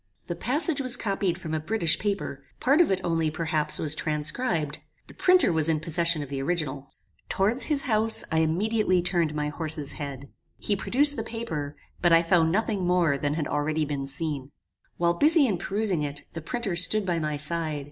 This passage was copied from a British paper; part of it only, perhaps, was transcribed. The printer was in possession of the original. "Towards his house I immediately turned my horse's head. He produced the paper, but I found nothing more than had already been seen. While busy in perusing it, the printer stood by my side.